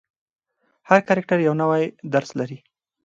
هر کرکټر یو نوی درس لري.